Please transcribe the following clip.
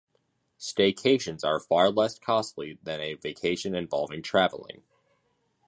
Staycations are far less costly than a vacation involving traveling.